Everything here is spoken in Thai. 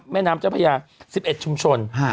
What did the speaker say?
แม่น้ำเจ้าพระยาทรัพยา๑๑ชุมชน